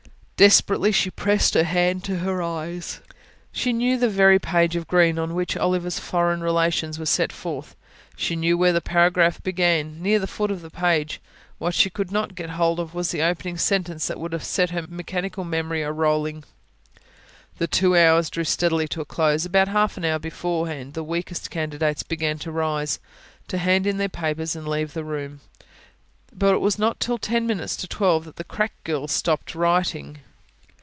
... Desperately she pressed her hand to her eyes. She knew the very page of Green on which Cromwell's foreign relations were set forth; knew where the paragraph began, near the foot of the page: what she could not get hold of was the opening sentence that would have set her mechanical memory a rolling. The two hours drew steadily to a close. About half an hour beforehand the weakest candidates began to rise, to hand in their papers and leave the room; but it was not till ten minutes to twelve that the "crack" girls stopped writing.